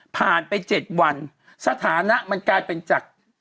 ผ่านไป๗วันสถานะมันกลายเป็นจาก